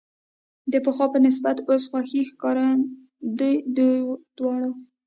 د پخوا په نسبت اوس خوښې ښکارېدې، دوی دواړې.